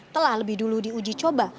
telah lebih dulu diuji coba